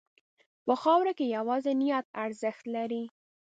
په خاوره کې یوازې نیت ارزښت لري.